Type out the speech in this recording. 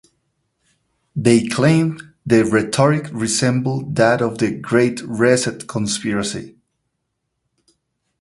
They claimed the rhetoric resembled that of the Great Reset conspiracy.